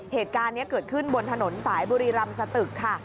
เหตุการณ์นี้เกิดขึ้นบนถนนสายบุรีรำสตึกค่ะ